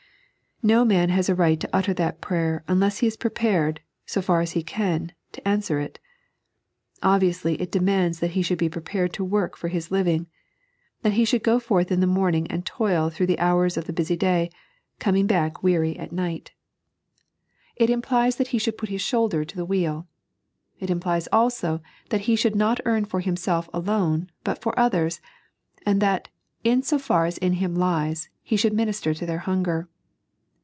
No man has a right to utter that prayer unless he is prepared, so far as he can, to answer it. Obviously it demands that he should be prepared to work for his living ; that he should go forth in the morning and toil through the houra of the busy day, coming back weary at night. It 3.n.iized by Google Hungry foe Love. 127 implies that he should put his shoulder to the wheel. It implies also, too, that he should not earn for himself alone, but for others ; and that, in so far as in him lies, he should minister to their hunger.